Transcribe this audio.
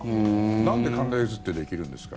なんで寒冷渦ってできるんですか？